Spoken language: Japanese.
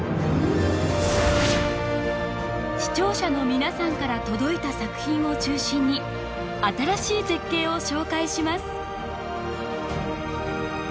視聴者の皆さんから届いた作品を中心に新しい絶景を紹介します。